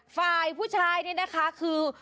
ฝ่ายผู้ชายนี่นะคะคือ